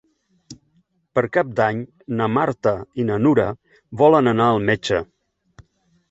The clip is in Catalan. Per Cap d'Any na Marta i na Nura volen anar al metge.